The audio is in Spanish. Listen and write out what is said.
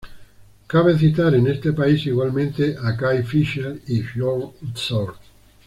Cabe citar en este país igualmente a Kay Fisker y Jørn Utzon.